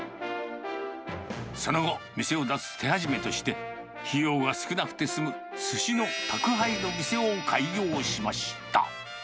その後、店を出す手始めとして、費用が少なくて済むすしの宅配の店を開業しました。